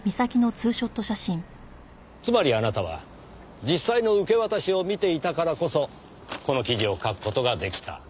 つまりあなたは実際の受け渡しを見ていたからこそこの記事を書く事が出来た。